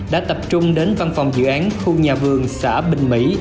đã tập trung đến văn phòng dự án khu nhà vườn xã bình mỹ